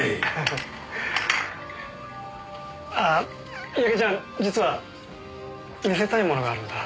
あ矢木ちゃん実は見せたいものがあるんだ。